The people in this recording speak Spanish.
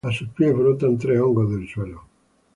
A sus pies brotan tres hongos del suelo.